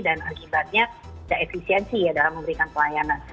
dan akibatnya tidak efisiensi ya dalam memberikan pelayanan